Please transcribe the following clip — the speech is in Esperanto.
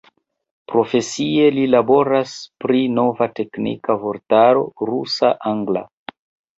Profesie li laboras pri nova teknika vortaro rusa-angla.